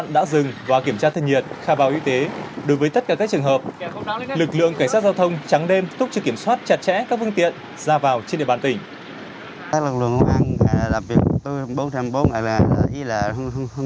đối với tất cả các trường hợp lực lượng cảnh sát giao thông trắng đêm túc cho kiểm soát chặt chẽ các phương tiện ra vào trên địa bàn tỉnh